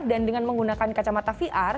dan dengan menggunakan kacamata vr